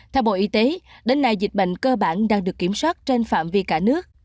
theo bộ y tế đến nay dịch bệnh cơ bản đang được kiểm soát trên phạm vi cả nước